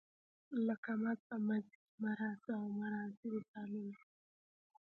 لکه مه ځه، مه ځئ، مه راځه او مه راځئ مثالونه دي.